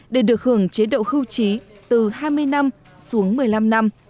để được hưởng chế độ hưu trí từ hai mươi năm xuống một mươi năm năm